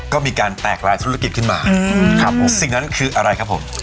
ก็มีการแตกลายธุรกิจขึ้นมาครับสิ่งนั้นคืออะไรครับผม